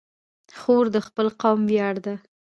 خور د خپل قوم ویاړ ده.